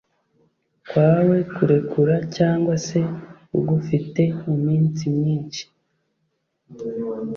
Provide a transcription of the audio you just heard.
kwawe kurekure cyangwa se ugufite iminsi myinshi